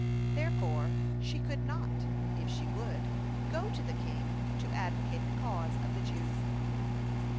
Therefore, she could not, if she would, go to the king to advocate the cause of the Jews.